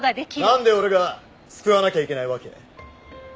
なんで俺が救わなきゃいけないわけ？